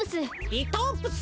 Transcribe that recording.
リトープス？